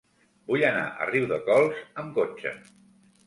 Vull anar a Riudecols amb cotxe.